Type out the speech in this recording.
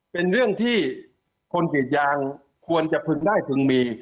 เป็นเรื่องที่คนกรีดยางควรจะพึงได้พึงมี